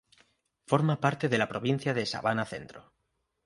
Forma parte de la provincia de Sabana Centro.